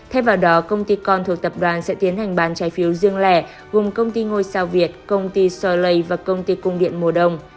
thêm vào đó công ty con thuộc tập đoàn sẽ tiến hành bán trái phiếu riêng lẻ gồm công ty ngôi sao việt công ty solay và công ty cung điện mùa đông